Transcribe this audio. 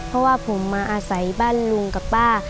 เพราะว่าผมมาอาศัยบ้านลุงกับป้า